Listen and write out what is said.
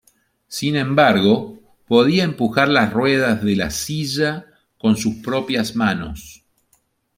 Sin embargo, podía empujar las ruedas de la silla con sus propias manos.